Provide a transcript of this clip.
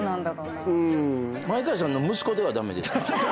前川さんの息子では駄目ですか？